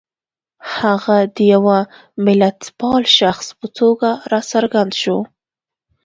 هغه د یوه ملتپال شخص په توګه را څرګند شو.